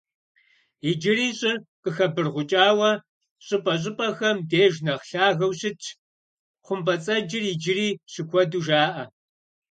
Иджыри щӀыр къыхэбыргъукӀауэ, щӀыпӀэщӀыпӀэхэм деж нэхъ лъагэу щытщ, хъумпӀэцӀэджыр иджыри щыкуэду жаӀэ.